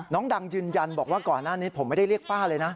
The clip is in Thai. น้องดังยืนยันบอกว่าก่อนหน้านี้ผมไม่ได้เรียกป้าเลยนะ